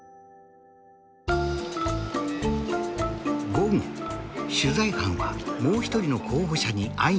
午後取材班はもう一人の候補者に会いに向かった。